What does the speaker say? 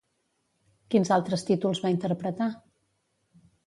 Quins altres títols va interpretar?